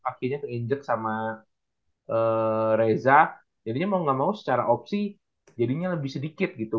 kakinya tuh injek sama reza jadinya mau gak mau secara opsi jadinya lebih sedikit gitu